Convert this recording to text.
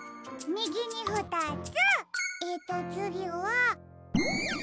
みぎにふたつ。